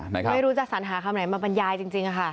ไม่รู้ว่าจะสำหรับคำไหนมันบรรยายจริงอ่ะค่ะ